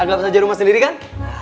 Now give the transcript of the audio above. agak saja rumah sendiri kan